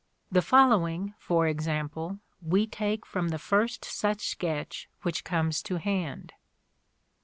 The following, for example, we take from the first such sketch which comes to hand.